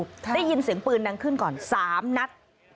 ได้ยินเสียงปืนดังขึ้นก่อน๓นัด